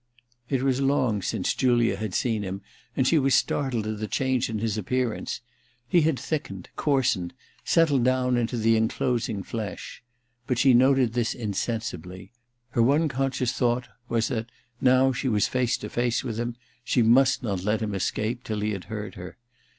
It was long since Julia had seen him, and she was startled at the change in his appearance. Ill THE RECKONING 227 He had thickened, coarsened, settled down into the enclosing flesh. But she noted this in sensibly : her one conscious thought was that, now she was face to face with him, she must not let him escape till he had heard her.